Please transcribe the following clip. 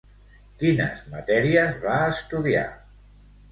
Quines matèries va estudiar?